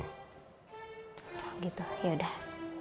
oh gitu yaudah